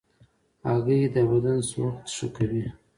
هګۍ د بدن سوخت ښه کوي.